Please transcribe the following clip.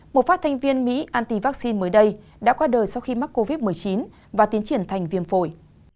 một phát thanh viên mỹ anti vaccine mới đây đã qua đời sau khi mắc covid một mươi chín và tiến triển thành viêm phổi